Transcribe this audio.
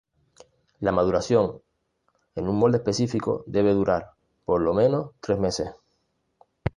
La maduración, en un molde específico debe durar, por lo menos, tres meses.